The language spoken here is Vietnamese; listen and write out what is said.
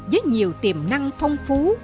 với nhiều tiềm năng phong phú